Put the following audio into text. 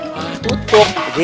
nah tutup gitu ya